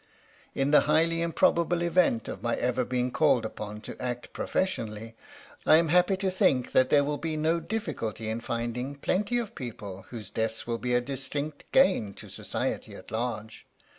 In the highly im probable event of my ever being called upon to act professionally, I am happy to think that there will be no difficulty in finding plenty of people whose deaths will be a distinct gain to society at large."